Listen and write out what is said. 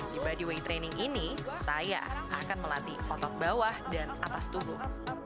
di body way training ini saya akan melatih otot bawah dan atas tubuh